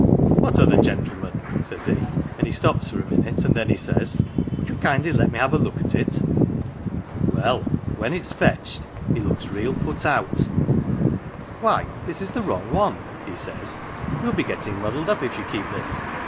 "' What other gentleman ?' says he, and he stops for a minute, and then he says, ' would you kindly let me have a look at it ?'" Well, when it's fetched, he looks real put out. 108 POLITICS ' Why this is the wrong one, 1 he says, ' You'll be gettin' muddled up if you keep this.